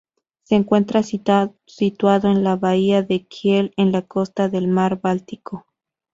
Se encuentra situado en la Bahía de Kiel, en la costa del Mar Báltico.